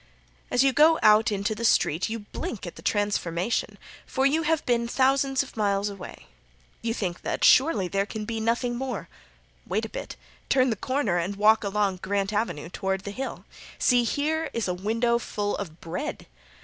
As you go out into the street you blink at the transformation, for you have been thousands of miles away. You think that surely there can be nothing more. Wait a bit. Turn the corner and walk along Grant avenue toward the Hill. See, here is a window full of bread.